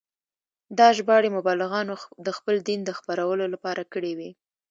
دا ژباړې مبلغانو د خپل دین د خپرولو لپاره کړې وې.